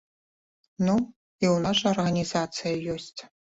Ну, і ў нас жа арганізацыя ёсць.